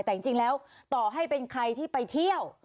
แต่จริงแล้วต่อให้เป็นใครที่ไปเที่ยว